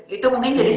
itu mungkin jadi